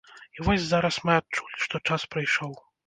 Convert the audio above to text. І вось зараз мы адчулі, што час прыйшоў.